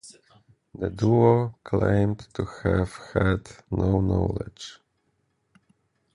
The duo claimed to have had no knowledge.